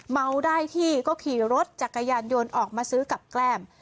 เมาได้ที่ก็ขี่รถจักรยานยนต์ออกมาซื้อกับแกล้ม